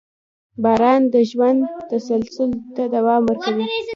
• باران د ژوند تسلسل ته دوام ورکوي.